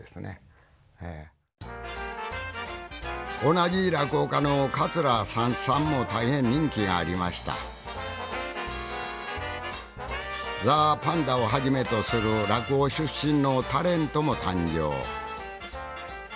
同じ落語家の桂三枝さんも大変人気がありましたザ・パンダをはじめとする落語出身のタレントも誕生